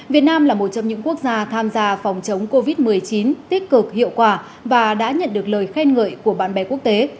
việt nam là một trong những quốc gia tham gia phòng chống covid một mươi chín tích cực hiệu quả và đã nhận được lời khen ngợi của bạn bè quốc tế